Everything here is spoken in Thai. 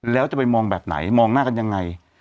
แล้วจะไปมองแบบไหนมองหน้ากันยังไง